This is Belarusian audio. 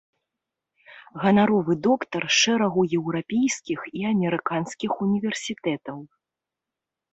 Ганаровы доктар шэрагу еўрапейскіх і амерыканскіх універсітэтаў.